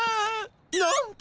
なんと！